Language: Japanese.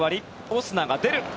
オスナが出る。